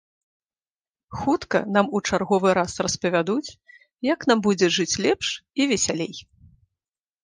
Хутка нам у чарговы раз распавядуць, як нам будзе жыць лепш і весялей.